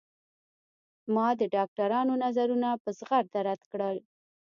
ما د ډاکترانو نظرونه په زغرده رد کړل.